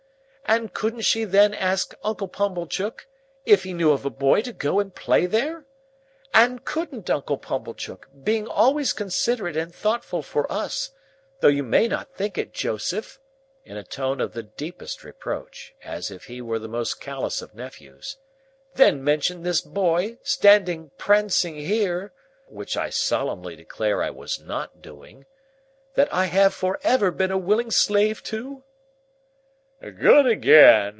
And couldn't she then ask Uncle Pumblechook if he knew of a boy to go and play there? And couldn't Uncle Pumblechook, being always considerate and thoughtful for us—though you may not think it, Joseph," in a tone of the deepest reproach, as if he were the most callous of nephews, "then mention this boy, standing Prancing here"—which I solemnly declare I was not doing—"that I have for ever been a willing slave to?" "Good again!"